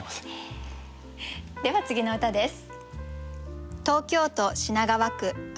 では次の歌です。